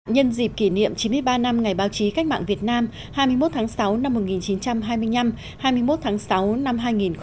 nhân dịp kỷ niệm chín mươi ba năm ngày báo chí cách mạng việt nam hai mươi một tháng sáu năm một nghìn chín trăm hai mươi năm hai mươi một tháng sáu năm hai nghìn một mươi chín